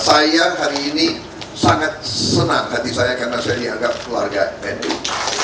saya hari ini sangat senang hati saya karena saya dianggap keluarga pendu